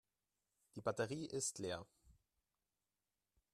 Die Batterie ist leer.